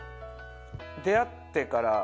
出会ってから。